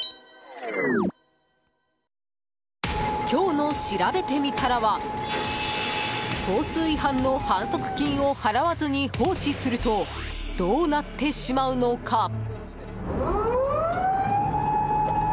今日のしらべてみたらは交通違反の反則金を払わずに放置するとどうなってしまうのか。